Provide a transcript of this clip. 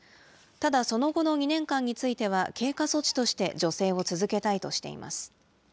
ただ、その後の２年間については、経過措置として助成を続けたいとしています。